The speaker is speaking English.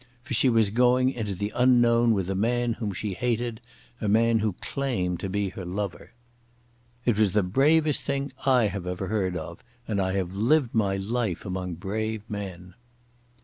For she was going into the unknown with a man whom she hated, a man who claimed to be her lover. It was the bravest thing I have ever heard of, and I have lived my life among brave men.